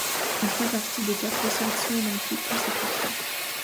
Il fit partie de quatre sélections olympiques consécutives.